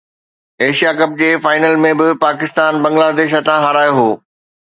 Asia cup جي final ۾ به پاڪستان بنگلاديش هٿان هارايو هو